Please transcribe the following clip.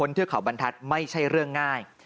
เทือกเขาบรรทัศน์ไม่ใช่เรื่องง่าย